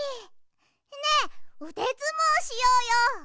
ねえうでずもうしようよ！